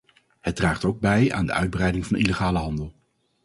Het draagt ook bij aan de uitbreiding van illegale handel.